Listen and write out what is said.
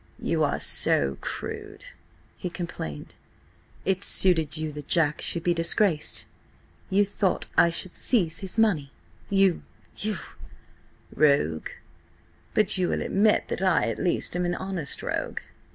"You are so crude," he complained. "It suited you that Jack should be disgraced? You thought I should seize his money. You–you—" "Rogue? But you will admit that I at least am an honest rogue.